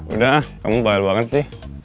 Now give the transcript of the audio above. udah ah kamu bahaya banget sih